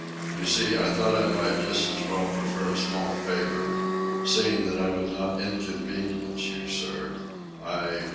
you see, I thought I might just as well prefer a small favour ... seeing that I would not inconvenience you, sir ... I ... I